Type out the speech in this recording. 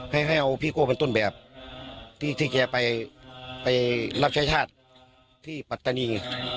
ให้เอาพี่โก้เป็นต้นแบบที่แกไปรับใช้ชาติที่ปัตตานี